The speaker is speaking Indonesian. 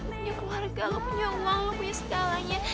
lu punya keluarga lu punya uang lu punya segalanya